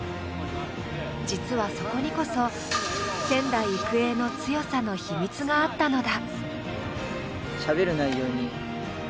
実はそこにこそ仙台育英の強さの秘密があったのだ。